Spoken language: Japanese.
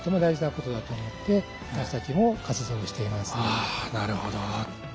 あなるほど。